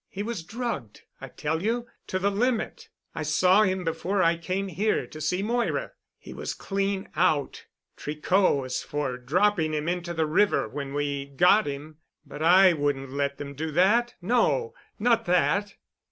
"He was drugged, I tell you—to the limit. I saw him before I came here to see Moira. He was clean out. Tricot was for dropping him into the river when we 'got' him—but I wouldn't let them do that—no—not that."